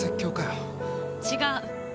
違う。